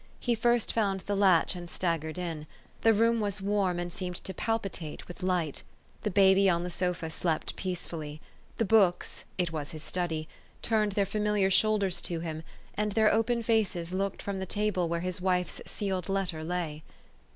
He first found the latch, an.d staggered in. The room was warm, and seemed to palpitate with light. The baby on the sofa slept peacefully. The books it was his study turned their familiar shoulders to him, and their open faces looked from the table where his wife's sealed letter lay.